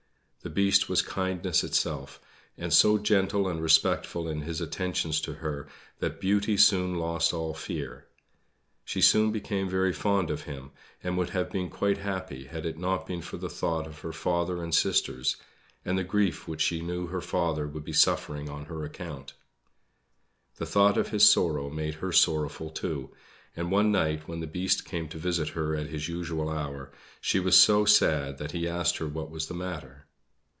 The Beast was kindness itself, and so gentle and respectful in his attentions to her that Beauty soon lost all fear. She soon became very fond of him, and would have been quite happy had it not been for the thought of her father and sisters, and the grief which she knew her father would be suffering on her account. The thought of his sorrow made her sorrowful too; and one night, when the Beast came to visit her at his usual hour, she was so sad that he asked her what was the matter.